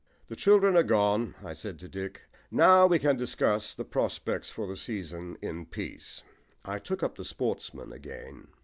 "The children are gone," I said to Dick. "Now we can discuss the prospects for the season in peace." I took up "The Sportsman" again.